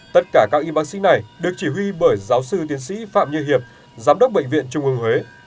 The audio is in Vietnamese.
tất cả các y bác sĩ này được chỉ huy bởi giáo sư tiến sĩ phạm như hiệp giám đốc bệnh viện trung ương huế